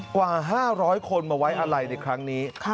กว่า๕๐๐คนมาไว้อะไรในครั้งนี้